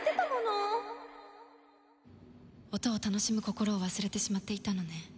音を楽しむ心を忘れてしまっていたのね。